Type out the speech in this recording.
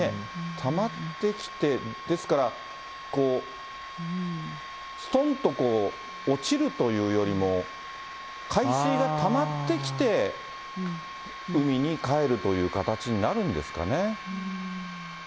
たまってきて、ですから、すとんと落ちるというよりも、海水がたまってきて、海に帰るという形になるんですかね。